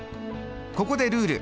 ここでルール！